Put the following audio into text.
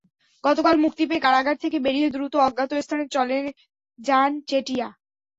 গতকাল মুক্তি পেয়ে কারাগার থেকে বেরিয়ে দ্রুত অজ্ঞাত স্থানে চলেন যান চেটিয়া।